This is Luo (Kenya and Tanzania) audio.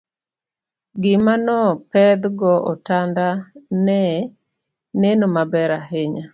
gima no pedh go otanda ne neno maber ahinya